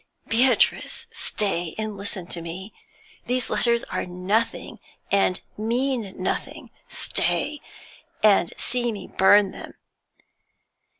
'Beatrice! Stay and listen to me. These letters are nothing, and mean nothing; Stay, and see me burn them.'